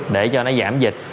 để cho nó giảm dịch